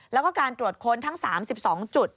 แล้วก็การตรวจค้นทั้ง๓๒จุด